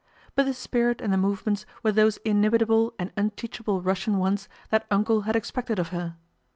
But the spirit and the movements were those inimitable and unteachable Russian ones that "Uncle" had expected of her.